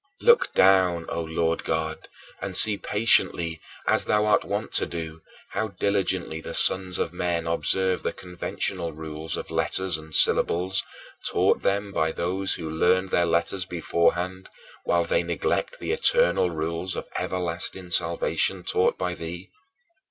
29. Look down, O Lord God, and see patiently, as thou art wont to do, how diligently the sons of men observe the conventional rules of letters and syllables, taught them by those who learned their letters beforehand, while they neglect the eternal rules of everlasting salvation taught by thee.